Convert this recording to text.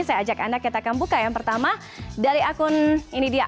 saya ajak anda kita akan buka yang pertama dari akun ini dia